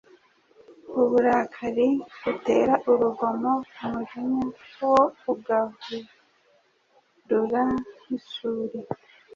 Uburakari butera urugomo umujinya wo ugahurura nk’isuri